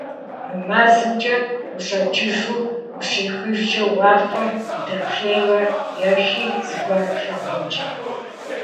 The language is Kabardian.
Мы мэзымкӀэ ущӀэкӀыжу ущехыжкӀэ, уафэм удэплъейуэрэ ехи, зыгуэр плъагъунщ.